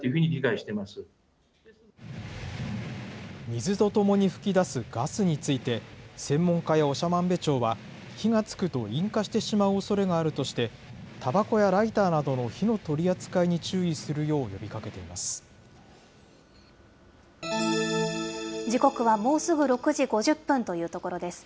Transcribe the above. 水とともに噴き出すガスについて、専門家や長万部町は、火がつくと引火してしまうおそれがあるとして、たばこやライターなどの火の取り扱いに注意するよう呼びかけてい時刻はもうすぐ６時５０分というところです。